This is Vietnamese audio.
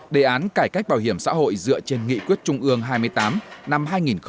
đề án cải cách bảo hiểm xã hội dựa trên nghị quyết trung ương hai mươi tám năm hai nghìn một mươi tám